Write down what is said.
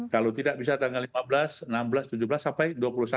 kalau tidak bisa tanggal lima belas enam belas tujuh belas sampai dua puluh satu